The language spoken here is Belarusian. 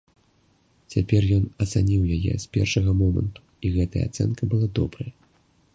Цяпер ён ацаніў яе з першага моманту, і гэтая ацэнка была добрая.